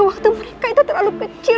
waktu mereka itu terlalu kecil